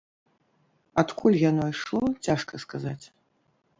Адкуль яно ішло, цяжка сказаць.